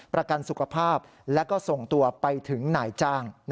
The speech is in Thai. ประกันสุขภาพและก็ส่งตัวไปถึงนายจ้าง